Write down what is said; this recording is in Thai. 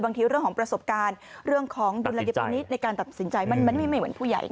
บางทีเรื่องของประสบการณ์เรื่องของบริษัทในการตัดสินใจมันไม่เหมือนผู้ใหญ่